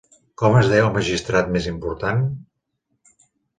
Com es deia el magistrat més important?